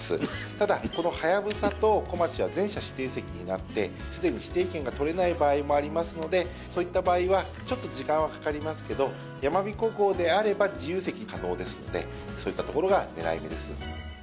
ただ、このはやぶさとこまちは、全車指定席になって、すでに指定券が取れない場合もありますので、そういった場合は、ちょっと時間はかかりますけど、やまびこ号であれば自由席可能ですので、そういったところがねらい目です。